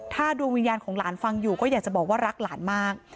ถ้าดวงวิญญาณของหลานฟังอยู่ก็อยากจะบอกว่ารักหลานมาก